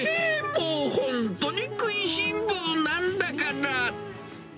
もう本当に食いしん坊なんだから。